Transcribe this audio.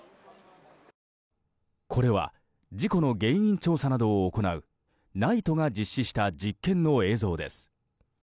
これは、事故の原因調査などを行うＮＩＴＥが実施した実験の映像です。